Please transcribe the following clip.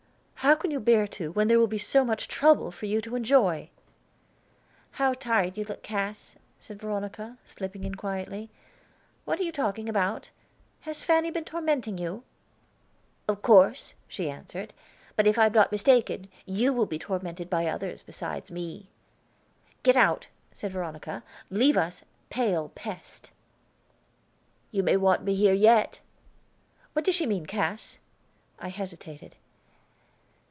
"How can you bear to, when there will be so much trouble for you to enjoy?" "How tired you look, Cass," said Veronica, slipping in quietly. "What are you talking about? Has Fanny been tormenting you?" "Of course," she answered. "But if am not mistaken, you will be tormented by others besides me." "Go out!" said Veronica. "Leave us, pale pest." "You may want me here yet." "What does she mean, Cass?" I hesitated.